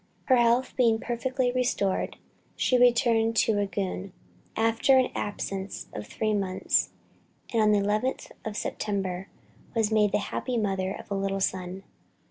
Her health being perfectly restored she returned to Rangoon after an absence of three months, and "on the 11th of September, was made the happy mother of a little son."